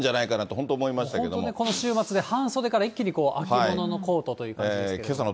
本当ね、この週末で一気に秋物のコートという感じですけども。